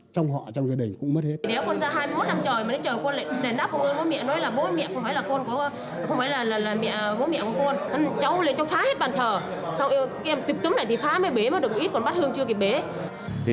còn bắt hương chưa kịp bế